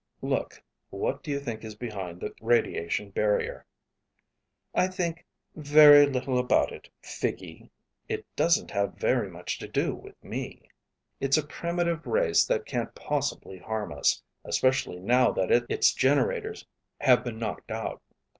"Look, what do you think is behind the radiation barrier?" "I think very little about it, figgy. It doesn't have very much to do with me." "It's a primitive race that can't possibly harm us, especially now that its its generators have been knocked out.